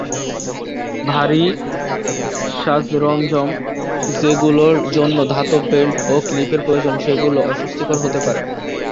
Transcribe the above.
ভারী সাজসরঞ্জাম, যেগুলোর জন্য ধাতব বেল্ট ও ক্লিপের প্রয়োজন, সেগুলো অস্বস্তিকর হতে পারে।